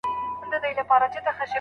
د بدن په حرکاتو کي مو بدلون راولئ.